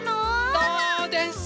そうです。